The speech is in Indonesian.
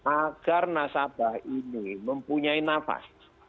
agar nasabah ini mempunyai nafas